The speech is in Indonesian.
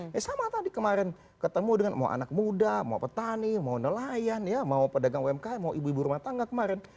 ya sama tadi kemarin ketemu dengan mau anak muda mau petani mau nelayan ya mau pedagang umkm mau ibu ibu rumah tangga kemarin